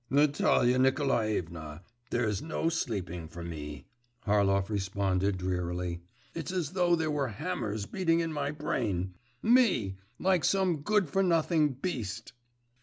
…' 'Natalia Nikolaevna! There's no sleeping for me!' Harlov responded drearily. 'It's as though there were hammers beating in my brain! Me! like some good for nothing beast!